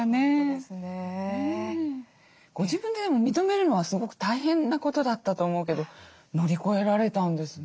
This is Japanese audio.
ご自分で認めるのはすごく大変なことだったと思うけど乗り越えられたんですね。